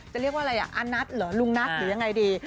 จะเรียกว่าอะไรอานร์เจ้าได้